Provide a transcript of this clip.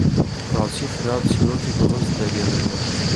راوچیی خراپ چیرۆکی بەهۆز دەگێڕێتەوە